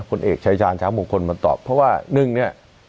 เอกชายชาญชาวมงคลมาตอบเพราะว่าหนึ่งเนี่ย